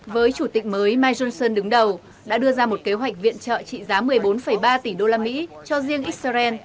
với chủ tịch mới mike johnson đứng đầu đã đưa ra một kế hoạch viện trợ trị giá một mươi bốn ba tỷ đô la mỹ cho riêng israel